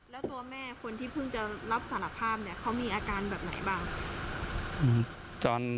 แล้วตัวแม่คนที่เพิ่งจะรับสารภาพเนี่ยเขามีอาการแบบไหนบ้าง